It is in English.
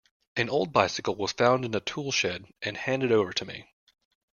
An old bicycle was found in a tool-shed and handed over to me.